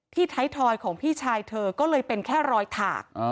ท้ายทอยของพี่ชายเธอก็เลยเป็นแค่รอยถาก